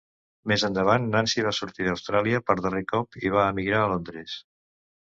Més endavant, Nancy va sortir d'Austràlia per darrer cop i va emigrar a Londres.